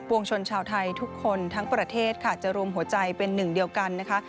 วงชนชาวไทยทุกคนทั้งประเทศค่ะจะรวมหัวใจเป็นหนึ่งเดียวกันนะคะ